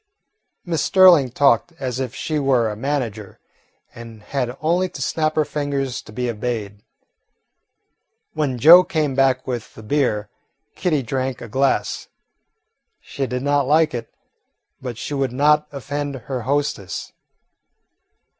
Miss Sterling talked as if she were a manager and had only to snap her fingers to be obeyed. When Joe came back with the beer, Kitty drank a glass. She did not like it, but she would not offend her hostess.